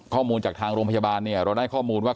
ข้อมูลจากทางโรงพยาบาลเนี่ยเราได้ข้อมูลว่า